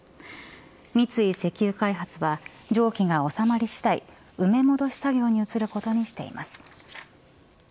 三井石油開発は蒸気が収まりしだい埋め戻し作業に移ることにしています。